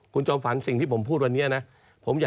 คุณจอมฝันสิ่งที่ผมพูดวันนี้นะ